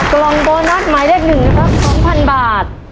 กล่องโบนัสหมายเลข๑นะครับ๒๐๐๐บาท